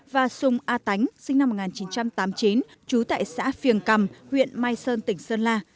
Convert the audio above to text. và sùng a tánh sinh năm một nghìn chín trăm tám mươi chín trú tại xã phiềng cầm huyện mai sơn tỉnh sơn la